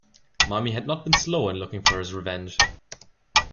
Marmie had not been slow in looking for his revenge.